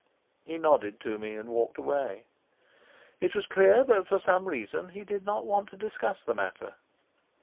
He nodded to me and walked away. It was clear that for some reason he did not want to discuss the matter.